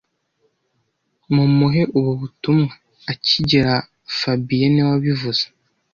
Mumuhe ubu butumwa akigera fabien niwe wabivuze